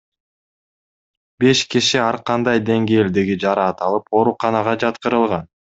Беш киши ар кандай деңгээлдеги жараат алып, ооруканага жаткырылган.